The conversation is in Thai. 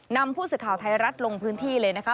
นำผู้สื่อข่าวไทยรัฐลงพื้นที่เลยนะคะ